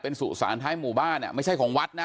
เป็นสู่สารท้ายหมู่บ้านอ่ะไม่ใช่ของวัดนะ